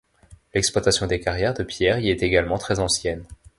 L'exploitation des carrières de pierre y est également très ancienne.